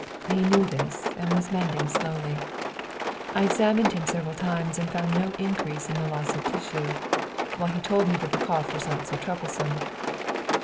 He knew this, and was mending slowly; I examined him several times and found no increase in the loss of tissue, while he told me the cough was not so troublesome."